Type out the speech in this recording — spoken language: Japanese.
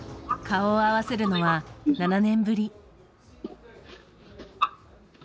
顔を合わせるのは７年ぶり。